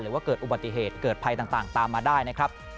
ว่าเกิดอุบัติเหตุเกิดภัยต่างตามมาได้นะครับ